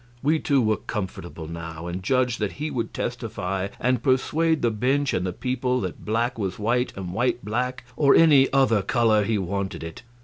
We two were comfortable now, and judged that he would testify and persuade the bench and the people that black was white and white black, or any other color he wanted it.